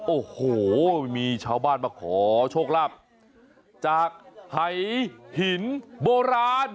โอ้โหมีชาวบ้านมาขอโชคลาภจากหายหินโบราณ